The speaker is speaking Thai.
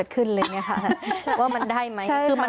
ใช่ค่ะ